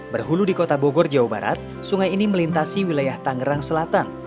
berhulu di kota bogor jawa barat sungai ini melintasi wilayah tangerang selatan